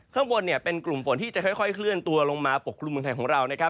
ข้างบนเป็นกลุ่มฝนที่จะค่อยเคลื่อนตัวลงมาปกครุมเมืองไทยของเรานะครับ